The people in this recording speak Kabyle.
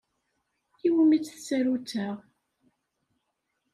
I wumi-tt tsarut-a?